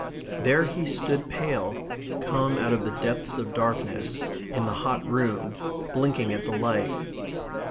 There he stood pale, come out of the depths of darkness, in the hot room, blinking at the light.